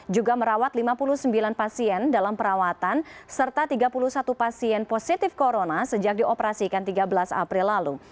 juga merawat lima puluh sembilan pasien dalam perawatan serta tiga puluh satu pasien positif corona sejak dioperasikan tiga belas april lalu